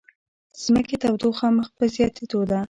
د ځمکې تودوخه مخ په زیاتیدو ده